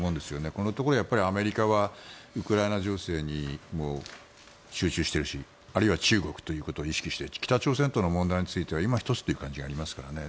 ここのところアメリカはウクライナ情勢に集中しているし、あるいは中国ということを意識して北朝鮮との問題についてはいま一つという感じがありますからね。